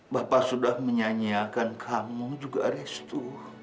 bapak sudah menyanyiakan kamu juga restu